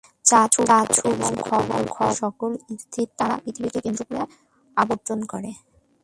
সূর্য, চাঁদ এবং খ-গোলকের সকল স্থির তারা পৃথিবীকে কেন্দ্র করেই আবর্তন করে।